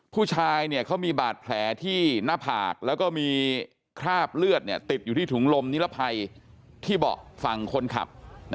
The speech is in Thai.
ผู้ชายเขามีบาดแผลที่หน้าผากแล้วก็มีคราบเลือดติดอยู่ที่ถุงลมนิรภัยที่เบาะฝั่งคนขับ